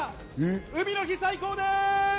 海の日、最高です！